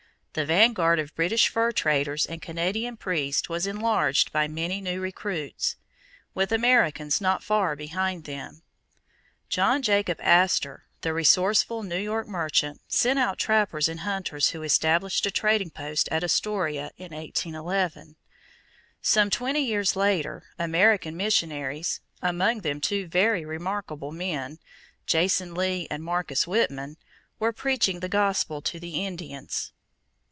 The vanguard of British fur traders and Canadian priests was enlarged by many new recruits, with Americans not far behind them. John Jacob Astor, the resourceful New York merchant, sent out trappers and hunters who established a trading post at Astoria in 1811. Some twenty years later, American missionaries among them two very remarkable men, Jason Lee and Marcus Whitman were preaching the gospel to the Indians.